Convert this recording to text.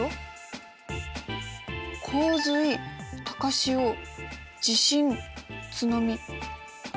洪水高潮地震津波。